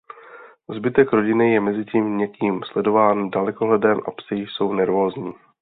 Zbytek rodiny je mezitím někým sledován dalekohledem a psi jsou nervózní.